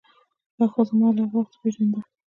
دا ښځه ما له هغه وخته پیژانده.